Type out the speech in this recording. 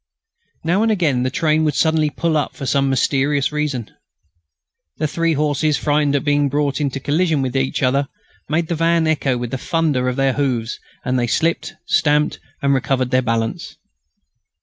Now and again the train would suddenly pull up for some mysterious reason. The three horses, frightened at being brought into collision with each other, made the van echo to the thunder of their hoofs as they slipped, stamped, and recovered their balance.